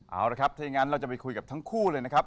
เอาละครับถ้าอย่างนั้นเราจะไปคุยกับทั้งคู่เลยนะครับ